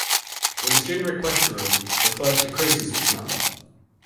When a student requests a room, the clerk decreases this number.